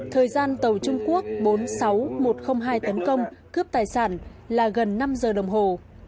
thời gian tàu trung quốc bốn mươi sáu nghìn một trăm linh hai tấn công cướp tài sản là gần năm giờ đồng hồ